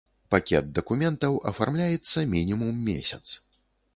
Пакет дакументаў афармляецца мінімум месяц.